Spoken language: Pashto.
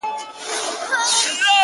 اوس يې څنگه ښه له ياده وباسم ـ